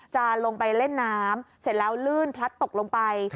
จะลงไปเล่นน้ำเสร็จแล้วลื่นพลัดตกลงไป